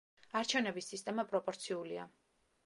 არჩევნების სისტემა პროპორციულია.